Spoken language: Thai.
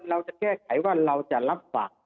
เราจะแก้ไขว่าเราจะรับฝาก